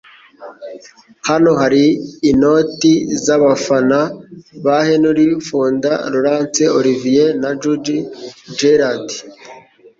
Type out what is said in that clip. Hano hari inoti zabafana ba Henry Fonda, Laurence Olivier na Judy Garland